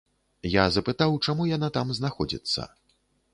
Я запытаў, чаму яна там знаходзіцца.